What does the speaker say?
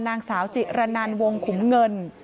นางสาวจิระนันวงขุมเงิน